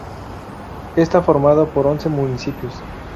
Está formada por once municipios.